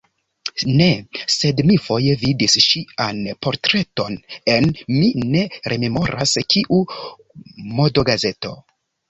Ne, sed mi foje vidis ŝian portreton en, mi ne rememoras kiu, modogazeto.